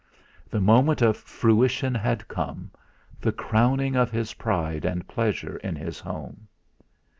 The moment of fruition had come; the crowning of his pride and pleasure in his home.